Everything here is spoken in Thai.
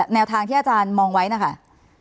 แนวทางที่อาจารย์มองไว้นะคะ